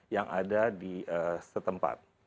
yang ada di setempat